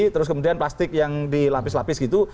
terus kemudian plastik yang dilapis lapis gitu